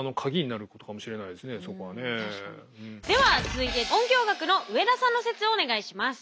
では続いて音響学の上田さんの説をお願いします。